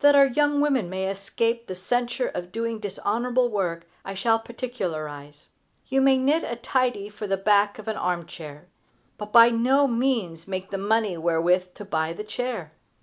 That our young women may escape the censure of doing dishonorable work, I shall particularize. You may knit a tidy for the back of an armchair, but by no means make the money wherewith to buy the chair.